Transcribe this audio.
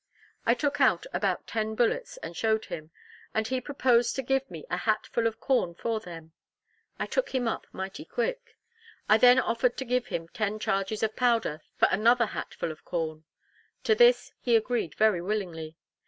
I took out about ten bullets, and showed him; and he proposed to give me a hat full of corn for them. I took him up, mighty quick. I then offered to give him ten charges of powder for another hat full of corn. To this he agreed very willingly.